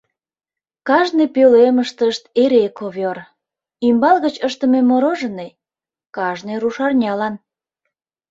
Кажне пӧлемыштышт эре ковёр, ӱмбал гыч ыштыме мороженый — кажне рушарнялан.